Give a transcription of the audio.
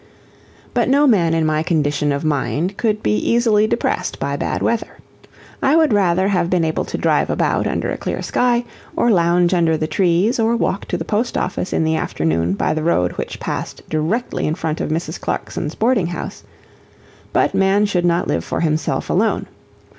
But no man in my condition of mind could be easily depressed by bad weather. I would rather have been able to drive about under a clear sky, or lounge under the trees, or walk to the post office in the afternoon by the road which passed directly in front of Mrs. Clarkson's boarding house; but man should not live for himself alone.